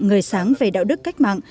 người sáng về đạo đức cách mạng